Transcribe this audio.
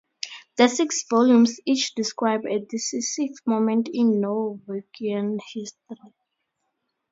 The six volumes each describe a decisive moment in Norwegian history.